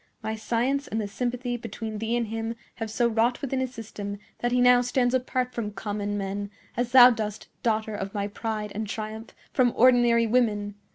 My science and the sympathy between thee and him have so wrought within his system that he now stands apart from common men, as thou dost, daughter of my pride and triumph, from ordinary women.